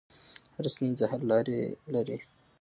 هر ستونزه د حل لار لري.